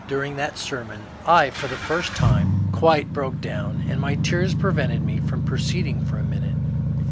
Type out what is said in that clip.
During that sermon I for the first time quite broke down, and my tears prevented me from proceeding for a minute.